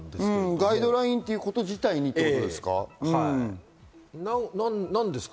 ガイドライン自体にということですか？